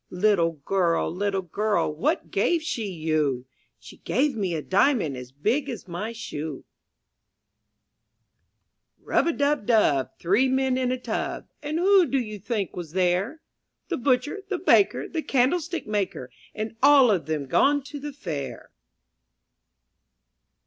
Little girl, little girl, what gave she you? She gave me a diamond as big as my shoe. I^ fAAftaA'!l«T CAvOv/ELU 26 I N THE NURSERY 13 UB A DUB DUB, three men in a tub. •"•^ And who do you think was there? The butcher, the baker, the candlestick maker, And all of them gone to the fair.